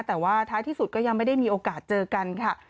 แต่ว่าท้ายที่สุดก็ยังไม่ได้มีโอกาสเจอกันค่ะ